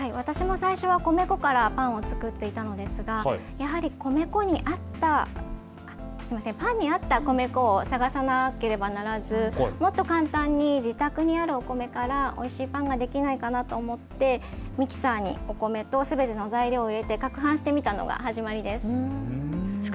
最初、私も米粉からパンを作っていたのですが、やはりパンにあった米粉を探さなければならずもっと簡単に自宅にあるお米からおいしいパンができないかなと思ってミキサーにお米とすべての材料を入れてかくはんしてみたのが始まりです。